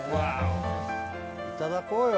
いただこうよ。